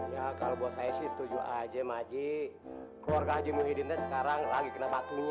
ya kalau bos haji setuju aja mak haji keluarga haji muhyiddin sekarang lagi kena bakunya